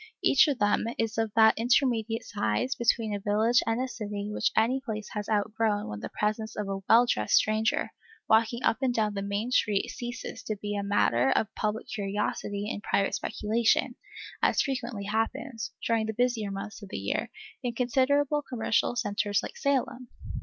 Each of them is of that intermediate size between a village and a city which any place has outgrown when the presence of a well dressed stranger walking up and down the main street ceases to be a matter of public curiosity and private speculation, as frequently happens, during the busier months of the year, in considerable commercial centres like Salem.